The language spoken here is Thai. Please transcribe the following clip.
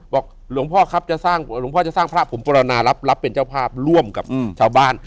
บอกหลวงพ่อครับจะสร้างพระผมปรนารับเป็นเจ้าภาพร่วมกับชาวบ้าน